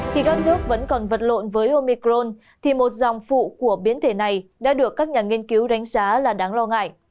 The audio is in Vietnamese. khi các nước vẫn còn vật lộn với omicron thì một dòng phụ của biến thể này đã được các nhà nghiên cứu đánh giá là đáng lo ngại